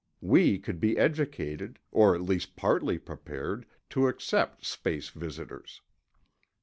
We could be educated, or at least partly prepared, to accept space visitors.